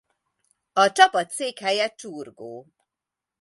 A csapat székhelye Csurgó.